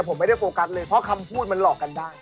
ผมไม่ได้โฟกัสเลยเพราะคำพูดมันหลอกกันได้